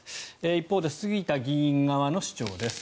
一方で杉田議員側の主張です。